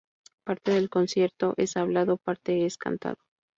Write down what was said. Parte del concierto es hablado, parte es cantado.